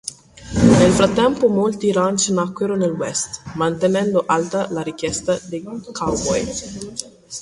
Nel frattempo molti ranch nacquero nel West, mantenendo alta la richiesta di cowboy.